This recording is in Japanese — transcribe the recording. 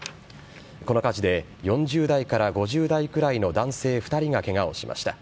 この火事で、４０代から５０代くらいの男性２人がけがをしました。